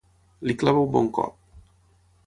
Li clava un bon cop.